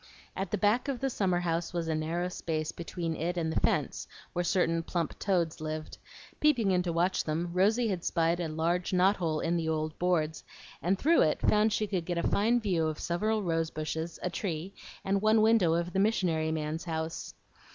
At the back of the summer house was a narrow space between it and the fence where certain plump toads lived; peeping in to watch them, Rosy had spied a large knot hole in the old boards, and through it found she could get a fine view of several rose bushes, a tree, and one window of the "missionary man's" house.